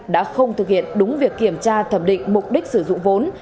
đã không thực hiện đúng việc kiểm tra thẩm định mục đích sử dụng vốn